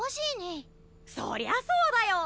そりゃそうだよ。